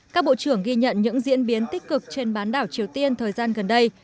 các bộ trưởng ghi nhận những diễn biến tích cực trên bán đảo triều tiên thời gian gần đây